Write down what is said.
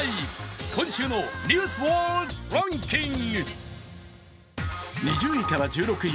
今週の「ニュースワードランキング」。